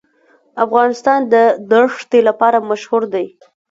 افغانستان د دښتې لپاره مشهور دی.